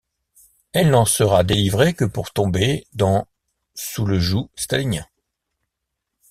Elle n'en sera délivrée que pour tomber dans sous le joug stalinien.